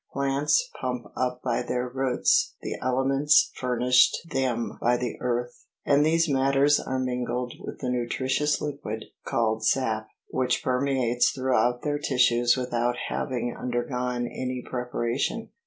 Plants pump up by their roots the aliments furnished them by the earth, and these matters are mingled with the nutritious liquid called sop, which permeates throughout their tissues without having undergone any preparation.